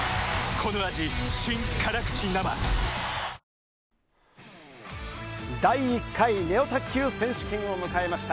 ニトリ第１回ネオ卓球選手権を迎えました。